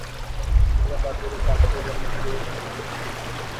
এরা তাদের গাত্রবর্ণ পরিবর্তন করতে সক্ষম।